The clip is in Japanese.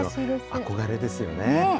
憧れですよね。